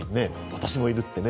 私もいるってね。